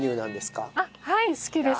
はい好きです。